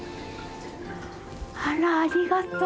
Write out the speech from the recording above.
あらありがとう。